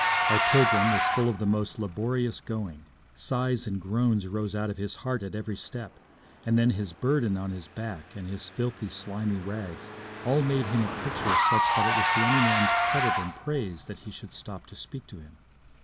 Our pilgrim was full of the most laborious going; sighs and groans rose out of his heart at every step; and then his burden on his back, and his filthy, slimy rags all made him a picture such that it was to any man's credit and praise that he should stop to speak to him.